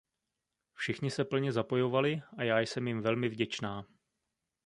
Všichni se plně zapojovali a já jsem jim velmi vděčná.